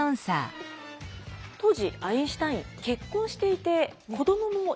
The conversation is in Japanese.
当時アインシュタイン結婚していて子供もいました。